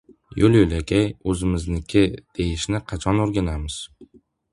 Yo‘l-yo‘lakay... O‘zimizniki, deyishni qachon o‘rganamiz?